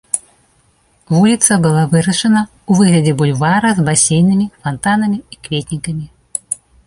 Вуліца была вырашана ў выглядзе бульвара з басейнамі, фантанамі і кветнікамі.